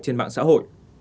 trên mạng xã hội